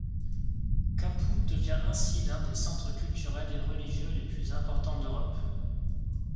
Capoue devient ainsi l’un des centres culturels et religieux les plus importants d’Europe.